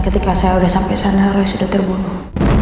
ketika saya sudah sampai sana saya sudah terbunuh